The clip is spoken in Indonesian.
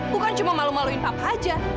bukan cuma malu maluin up aja